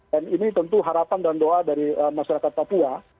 dan ini tentu harapan dan doa dari masyarakat papua